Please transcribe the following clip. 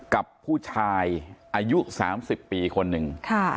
กับผู้ชายอายุ๓๐ปีคนหนึ่ง